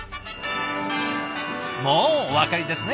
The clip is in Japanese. もうお分かりですね。